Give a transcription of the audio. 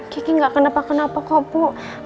kiki gak kenapa kenapa kok bu